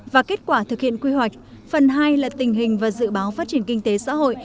và kết quả thực hiện quy hoạch phần hai là tình hình và dự báo phát triển kinh tế xã hội